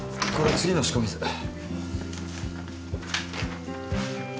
これ次の仕込み図。